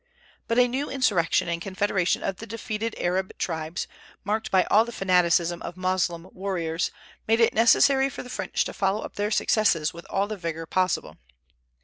But a new insurrection and confederation of the defeated Arab tribes, marked by all the fanaticism of Moslem warriors, made it necessary for the French to follow up their successes with all the vigor possible.